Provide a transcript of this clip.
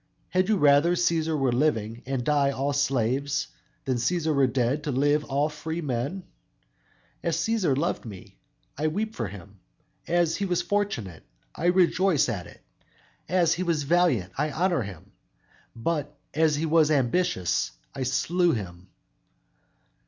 "Had you rather Cæsar were living, and die all slaves, than Cæsar were dead, to live all free men? "As Cæsar loved me, I weep for him; as he was fortunate, I rejoice at it; as he was valiant, I honor him, but as he was ambitious I slew him!